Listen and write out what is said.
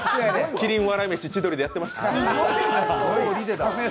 麒麟、笑い飯、千鳥でやってました。